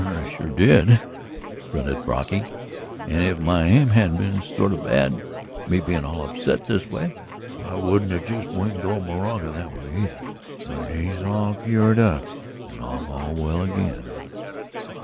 "I sure did," grunted Brocky. "And if my aim hadn't been sort of bad, me being all upset this way, I wouldn't have just winged old Moraga that way, either! When he's all cured up and I'm all well again.